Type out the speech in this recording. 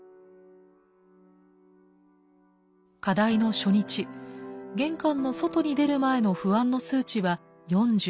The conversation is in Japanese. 課題の初日玄関の外に出る前の不安の数値は４０。